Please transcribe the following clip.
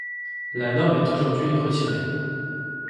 La norme est aujourd’hui retirée.